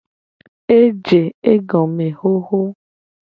Eje egome hoho.